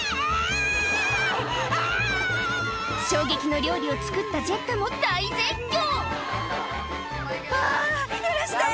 衝撃の料理を作ったジェッタも大絶叫あぁ許して！